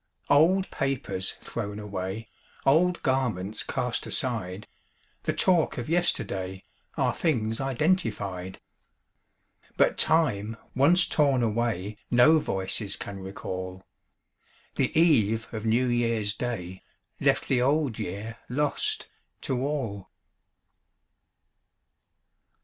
Old papers thrown away, Old garments cast aside, The talk of yesterday, Are things identified; But time once torn away No voices can recall: The eve of New Year's Day Left the Old Year lost to all.